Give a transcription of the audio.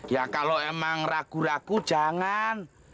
ya kalau emang ragu ragu jangan